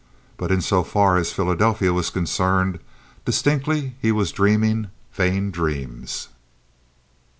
But, in so far as Philadelphia was concerned, distinctly he was dreaming vain dreams.